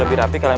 lebih rapi kalian